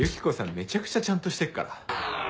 めちゃくちゃちゃんとしてっから。